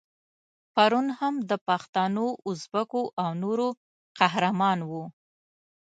پرون هم د پښتنو، ازبکو او نورو قهرمان وو.